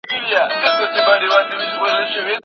څه شی ریښتینی رواني او ذهني بریالیتوب ګڼل کېږي؟